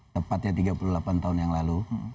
tepatnya tiga puluh delapan tahun yang lalu